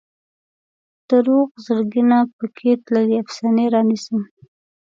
د روغ زړګي نه پکې تللې افسانې رانیسم